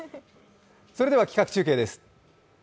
それでは企画中継です。